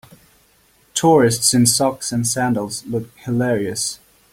Tourists in socks and sandals look hilarious.